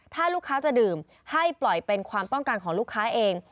ถ้าลูกค้าจะดื่มให้ปล่อยเป็นความต้องการของลูกค้าเอง